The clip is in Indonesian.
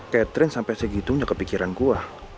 catherine sampai segitunya kepikiran gue